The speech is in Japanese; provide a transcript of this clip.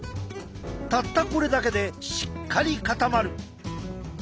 たったこれだけでしっかり固まる。